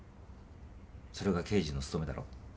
それが刑事の務めだろ？